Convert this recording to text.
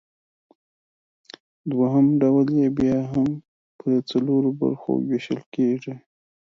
دوهم ډول یې بیا هم پۀ څلورو برخو ویشل کیږي